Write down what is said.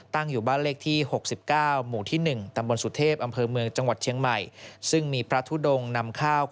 ตั้งอยู่บ้านเลขที่หกสิบเก้าหมูที่หนึ่งตำบนสุเทพอำเผอเมืองจังหวัดเทียงใหม่